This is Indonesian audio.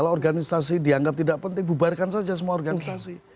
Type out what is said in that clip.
kalau organisasi dianggap tidak penting bubarkan saja semua organisasi